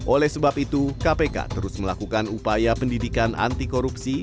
oleh sebab itu kpk terus melakukan upaya pendidikan anti korupsi